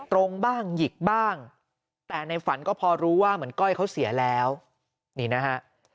ตรงบ้างหยิกบ้างแต่ในฝันก็พอรู้ว่าเหมือนก้อยเขาเสียแล้วนี่นะฮะ